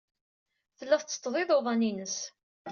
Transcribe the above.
Tella tetteṭṭeḍ iḍuḍan-ines.